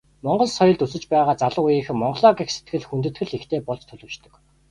Монгол соёлд өсөж байгаа залуу үеийнхэн Монголоо гэх сэтгэл, хүндэтгэл ихтэй болж төлөвшдөг.